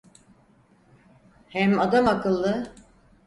Hem adamakıllı…